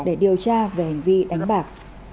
để điều tra về hành vi đánh bạc